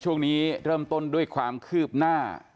ช่วงนี้เริ่มต้นด้วยความคืบหน้า